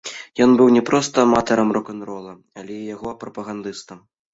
Ён быў не проста аматарам рок-н-рола, але і яго прапагандыстам.